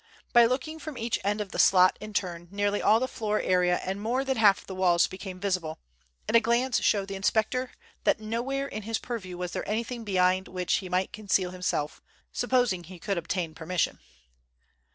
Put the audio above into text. By looking from each end of the slot in turn, nearly all the floor area and more than half of the walls became visible, and a glance showed the inspector that nowhere in his purview was there anything behind which he might conceal himself, supposing he could obtain admission.